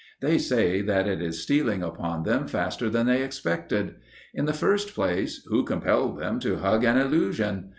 They say that it is stealing upon them faster than they expected. In the first place, who compelled them to hug an illusion?